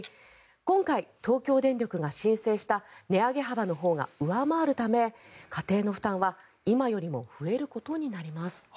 今回、東京電力が申請した値上げ幅のほうが上回るため家庭の負担は今よりも増えることになります。